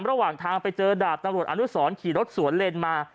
ระหว่างทางไปเจอดาบตำรวจอนุสรขี่รถสวนเลนมา